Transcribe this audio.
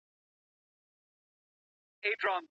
د کمپیوټر ساینس پوهنځۍ بې اسنادو نه ثبت کیږي.